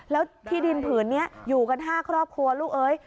แล้วที่ดินผืนนี้อยู่กัน๕ครอบครัวลูกเอ้ย